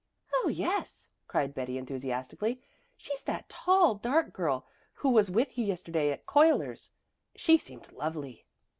"Oh yes," cried Betty, enthusiastically. "She's that tall, dark girl who was with you yesterday at Cuyler's. She seemed lovely."